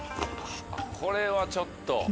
これはちょっと。